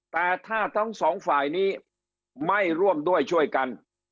แต่ถ้าทั้งสองฝ่ายนี้ไม่ร่วมด้วยช่วยกัน